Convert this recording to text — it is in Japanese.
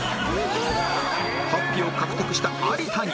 ８票獲得した有田に